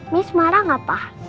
miss marah gak pak